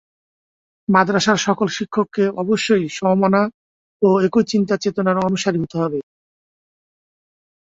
মাদরাসার সকল শিক্ষককে অবশ্যই সমমনা ও একই চিন্তা চেতনার অনুসারী হতে হবে।